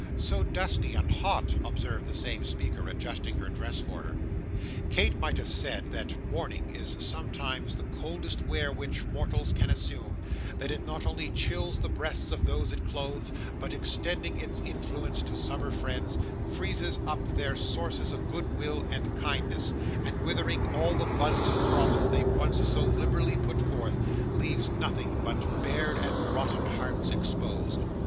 'So dusty and hot,' observed the same speaker, adjusting her dress for her. Kate might have said, that mourning is sometimes the coldest wear which mortals can assume; that it not only chills the breasts of those it clothes, but extending its influence to summer friends, freezes up their sources of good will and kindness, and withering all the buds of promise they once so liberally put forth, leaves nothing but bared and rotten hearts exposed.